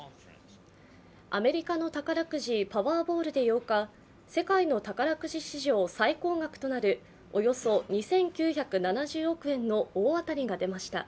アメリカの宝くじ、パワーボールで８日、世界の宝くじ史上最高額となるおよそ２９７０億円の大当たりが出ました。